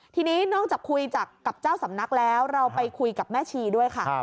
ทีนี้นอกจากคุยจากกับเจ้าสำนักแล้วเราไปคุยกับแม่ชีด้วยค่ะ